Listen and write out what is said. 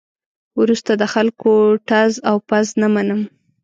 وروسته د خلکو ټز او پز نه منم.